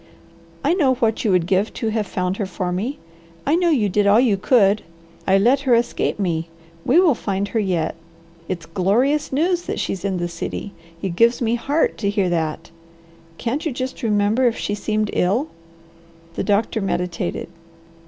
I know what you would give to have found her for me. I know you did all you could. I let her escape me. We will find her yet. It's glorious news that she's in the city. It gives me heart to hear that. Can't you just remember if she seemed ill?" The doctor meditated.